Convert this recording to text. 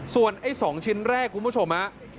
ส่วนไอ้๒ชิ้นแรกคุณผู้ชมฮะ